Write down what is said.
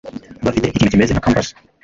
bafite ikintu kimeze nka compas